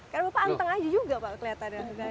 karena bapak angteng aja juga pak kelihatan